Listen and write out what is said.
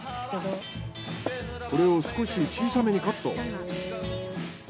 これを少し小さめにカット。